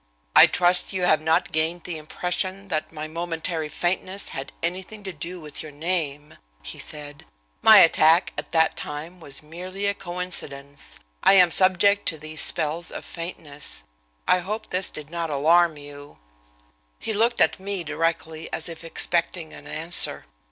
"I trust you have not gained the impression that my momentary faintness had anything to do with your name," he said. "My attack at that time was merely a coincidence. I am subject to these spells of faintness. I hope this one did not alarm you." He looked at me directly, as if expecting an answer.